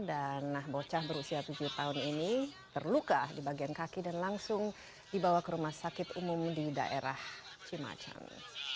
dan nah bocah berusia tujuh tahun ini terluka di bagian kaki dan langsung dibawa ke rumah sakit umum di daerah cimacan